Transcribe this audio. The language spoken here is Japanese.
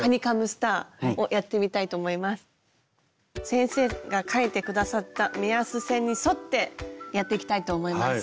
先生が描いてくださった目安線に沿ってやっていきたいと思います。